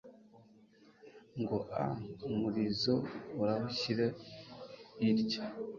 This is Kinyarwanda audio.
Ngo «Umurizo urawushyire irya